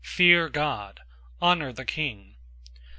Fear God. Honor the king.